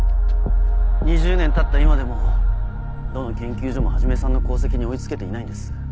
２０年たった今でもどの研究所も始さんの功績に追い付けていないんです。